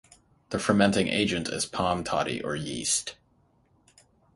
The fermenting agent is palm toddy or yeast.